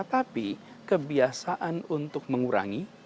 tapi kebiasaan untuk mengurangi